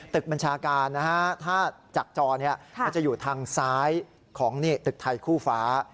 บัญชาการนะฮะถ้าจากจอมันจะอยู่ทางซ้ายของตึกไทยคู่ฟ้า